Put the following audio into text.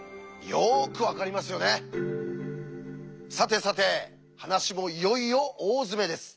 さてさて話もいよいよ大詰めです。